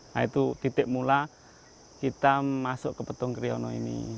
nah itu titik mula kita masuk ke petung kriono ini